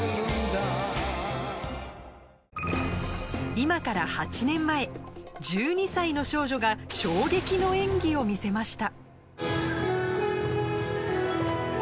今から８年前、１２歳の少女が衝撃の演技を見せました。